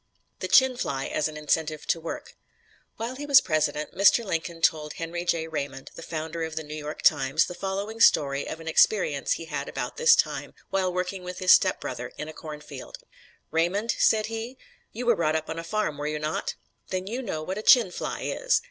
THE "CHIN FLY" AS AN INCENTIVE TO WORK While he was President, Mr. Lincoln told Henry J. Raymond, the founder of the New York Times, the following story of an experience he had about this time, while working with his stepbrother in a cornfield: "Raymond," said he, "you were brought up on a farm, were you not? Then you know what a 'chin fly' is.